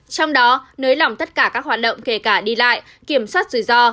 trong đó nới lỏng tất cả các hoạt động kể cả đi lại kiểm soát rủi ro